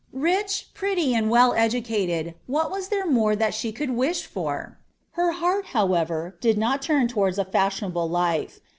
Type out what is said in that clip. Rich, pretty, and well educated, what was there more that she could wish for? Her heart, however, did not turn toward a fashionable life.